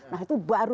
nah itu baru seratus